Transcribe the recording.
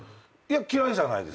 嫌いじゃないです。